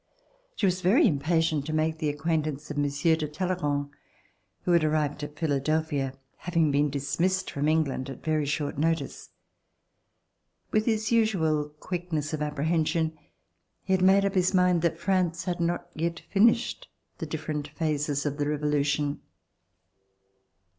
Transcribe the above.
She was very impatient to make the acquaintance of Monsieur de Talleyrand, who had arrived at Philadelphia, having been dismissed from England on very short notice. With his usual quickness of apprehension, he had made up his C 194] ARRIVAL IN AMERICA mind that France had not yet finished the different phases of the Revolution.